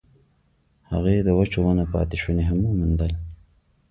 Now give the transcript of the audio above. هغې د وچو ونو پاتې شوني هم وموندل.